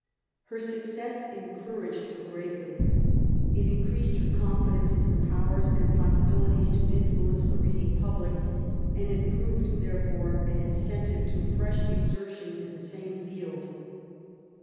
Her success encouraged her greatly. It increased her confidence in her powers and possibilities to influence the reading public, and it proved, therefore, an incentive to fresh exertions in the same field.